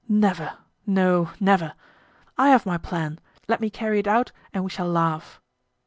never! no, never! I have my plan; let me carry it out and we shall laugh."